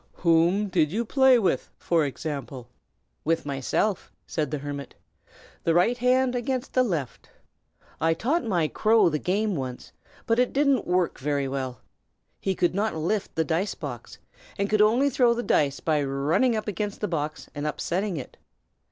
Whom did you play with, for example?" "With myself," said the hermit, "the right hand against the left. I taught my crow the game once, but it didn't work very well. He could not lift the dice box, and could only throw the dice by running against the box, and upsetting it.